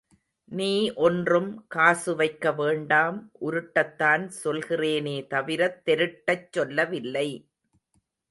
நீ ஒன்றும் காசுவைக்க வேண்டாம் உருட்டத்தான் சொல்கிறேனே தவிரத் தெருட்டச் சொல்லவில்லை.